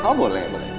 oh boleh boleh